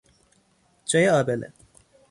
جای آبله